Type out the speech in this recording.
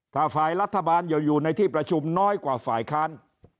ถ้าฝ่ายรัฐบาลอยู่ในที่ประชุมน้อยกว่าฝ่ายค้าน